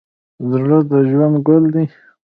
زړه د ژوند ګل دی.